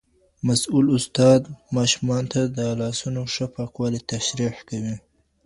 مسؤول استاد ماشومانو ته د لاسونو ښه پاکوالی تشریح کوي.